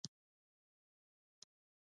هره هڅه د یوې موخې لپاره کېږي.